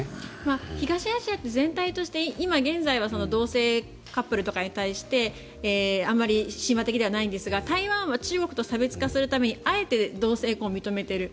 東アジアって全体として今同性カップルに対してあまり親和的ではないんですが台湾は中国と差別化するためにあえて同性婚を認めている。